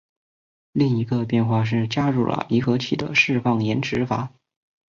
另一个变化是加入了离合器的释放延迟阀。